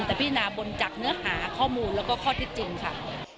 แต่พินาบนจากเนื้อหาข้อมูลแล้วก็ข้อที่จริงค่ะ